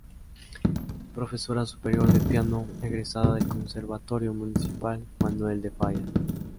Profesora Superior de piano, egresada del Conservatorio Municipal Manuel de Falla.